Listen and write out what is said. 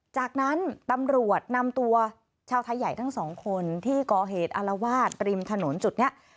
จากนั้นตำรวจนำตัวเช้าท้ายใหญ่ทั้งสองคนที่กฮอลวาทริมถนนจุดเนี่ย